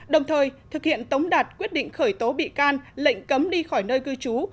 đồng thời thực hiện tống đạt quyết định khởi tố bị can lệnh cấm đi khỏi nơi cư trú